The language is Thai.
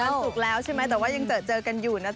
ศุกร์แล้วใช่ไหมแต่ว่ายังเจอกันอยู่นะคะ